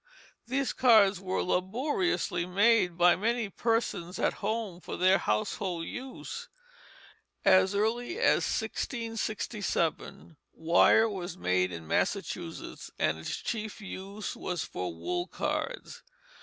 These cards were laboriously made by many persons at home, for their household use. As early as 1667 wire was made in Massachusetts; and its chief use was for wool cards.